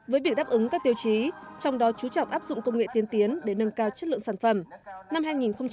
với việc đáp ứng các tiêu chí trong đó chú trọng áp dụng công nghệ tiên tiến để nâng cao chất lượng sản phẩm